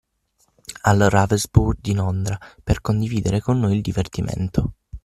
Al Ravensbourne di Londra, per condividere con noi il divertimento!